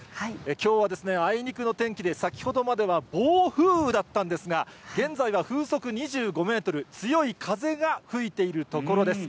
きょうはですね、あいにくの天気で、先ほどまでは暴風雨だったんですが、現在は風速２５メートル、強い風が吹いているところです。